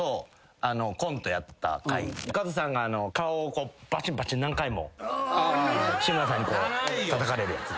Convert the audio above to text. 加藤さんが顔をバチンバチン何回も志村さんにこうたたかれるやつ。